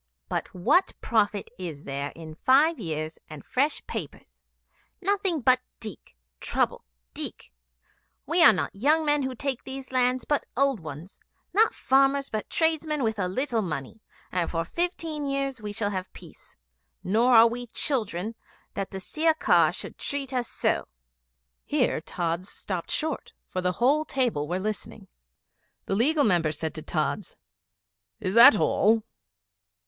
But what profit is there in five years and fresh papers? Nothing but dikh, trouble, dikh. We are not young men who take these lands, but old ones not farmers, but tradesmen with a little money and for fifteen years we shall have peace. Nor are we children that the Sirkar should treat us so."' Here Tods stopped short, for the whole table were listening. The Legal Member said to Tods, 'Is that all?'